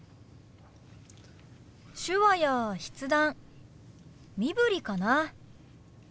手話や筆談身振りかな。